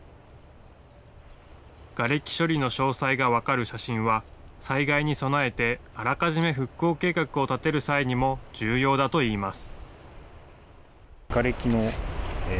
がれき処理の詳細が分かる写真は、災害に備えてあらかじめ復興計画を立てる際にも重要だといいます。